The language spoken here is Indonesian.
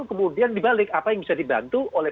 kemudian dibalik apa yang bisa dibantu oleh